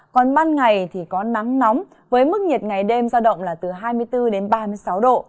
còn ban ngày thì có nắng nóng với mức nhiệt ngày đêm giao động là từ hai mươi bốn đến ba mươi sáu độ